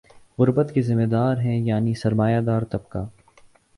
غربت کے ذمہ دار ہیں یعنی سر ما یہ دار طبقہ